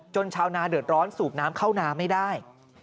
ชาวนาเดือดร้อนสูบน้ำเข้านาไม่ได้